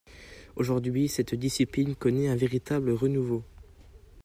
Aujourd'hui, cette discipline connaît un véritable renouveau.